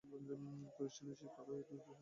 তোর ইচ্ছানুযায়ী কালই দুজনকেই খুন করব।